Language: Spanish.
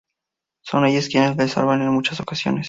Son ellas quienes le salvan en muchas ocasiones.